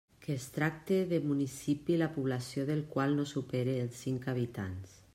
Que es tracte de municipi la població del qual no supere els cinc mil habitants.